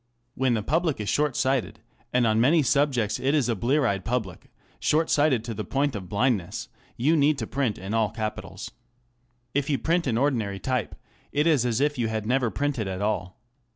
When the public is short sighted ŌĆö and on many subjects it is a blear eyed public/ short sighted to the point of blindnessŌĆö you need to print in capitals. If you print in ordinary type, it is as if you had never printed at all.